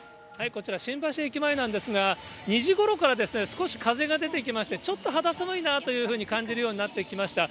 こちら、新橋駅前なんですが、２時ごろから少し風が出てきまして、ちょっと肌寒いなというふうに感じるようになってきました。